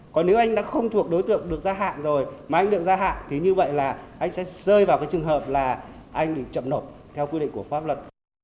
còn nếu anh đã không thuộc đối tượng được gia hạn rồi mà anh được gia hạn thì như vậy là anh sẽ rơi vào cái trường hợp là anh bị chậm nộp theo quy định của pháp luật